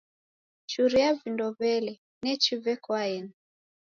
Churia vindo w'ele, nechi veko aeni.